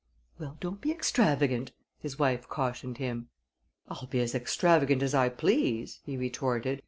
"Well, don't be extravagant," his wife cautioned him. "I'll be as extravagant as I please," he retorted.